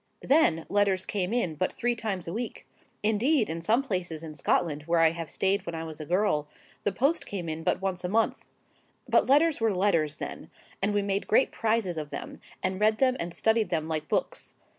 Then letters came in but three times a week: indeed, in some places in Scotland where I have stayed when I was a girl, the post came in but once a month;—but letters were letters then; and we made great prizes of them, and read them and studied them like books.